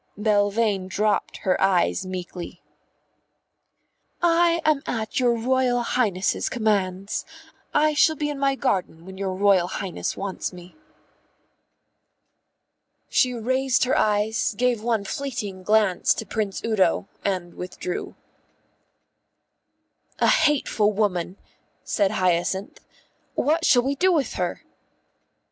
Belvane dropped her eyes meekly. "I am at your Royal Highness's commands. I shall be in my garden when your Royal Highness wants me." She raised her eyes, gave one fleeting glance to Prince Udo, and withdrew. "A hateful woman," said Hyacinth. "What shall we do with her?"